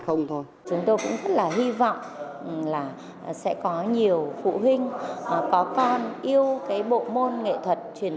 không chỉ chơi nhạc biểu diễn nhạc